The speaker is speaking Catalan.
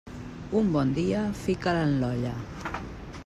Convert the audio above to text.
Un bon dia, fica'l en l'olla.